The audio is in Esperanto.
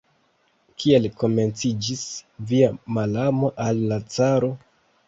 Kiel komenciĝis via malamo al la caro?